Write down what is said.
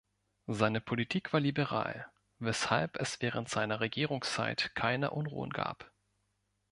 Seine Politik war liberal, weshalb es während seiner Regierungszeit keine Unruhen gab.